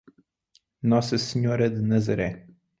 Nossa Senhora de Nazaré